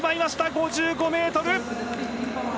５５ｍ。